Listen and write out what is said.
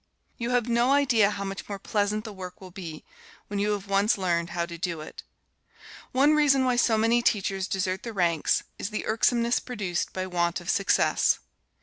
You have no idea how much more pleasant the work will be, when you have once learned how to do it. One reason why so many teachers desert the ranks, is the irksomeness produced by want of success.